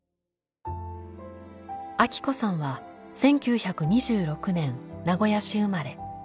アキ子さんは１９２６年名古屋市生まれ。